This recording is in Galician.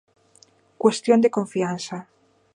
Cuestión de confianza.